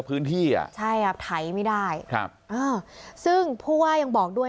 พื้นที่อ่ะใช่ครับไถไม่ได้ครับอ่าซึ่งผู้ว่ายังบอกด้วย